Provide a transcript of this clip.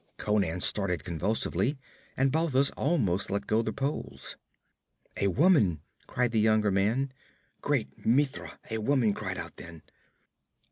Conan started convulsively, and Balthus almost let go the poles. 'A woman!' cried the younger man. 'Great Mitra, a woman cried out then!'